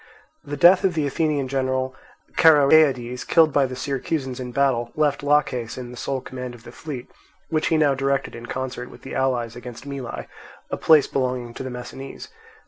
The death of the Athenian general Charoeades, killed by the Syracusans in battle, left Laches in the sole command of the fleet, which he now directed in concert with the allies against Mylae, a place belonging to the Messinese.